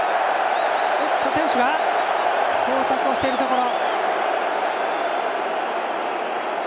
選手が交錯しているところ。